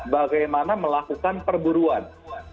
bagaimana melakukan perburuan